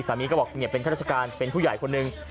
ก็บอกเป็นข้าราชการเป็นผู้ใหญ่คนหนึ่ง